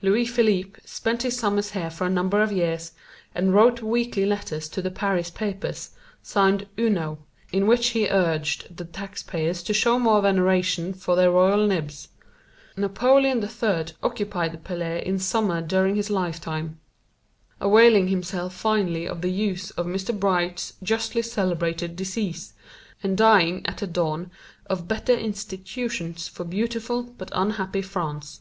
Louis Philippe spent his summers here for a number of years, and wrote weekly letters to the Paris papers, signed "Uno," in which he urged the taxpayers to show more veneration for their royal nibs. Napoleon III occupied the palais in summer during his lifetime, availing himself finally of the use of Mr. Bright's justly celebrated disease and dying at the dawn of better institutions for beautiful but unhappy France.